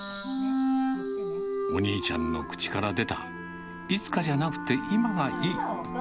お兄ちゃんの口から出た、いつかじゃなくて今がいい。